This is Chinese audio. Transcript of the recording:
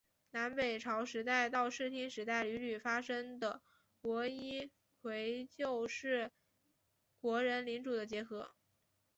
南北朝时代到室町时代屡屡发生的国一揆就是国人领主的结合。